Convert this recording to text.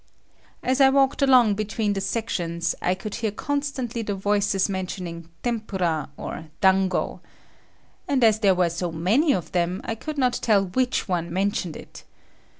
As I walked along between the sections, I could hear constantly the voices mentioning "tempura" or "dango." And as there were so many of them, I could not tell which one mentioned it.